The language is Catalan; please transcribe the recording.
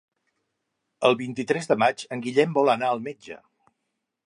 El vint-i-tres de maig en Guillem vol anar al metge.